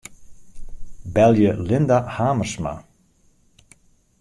Belje Linda Hamersma.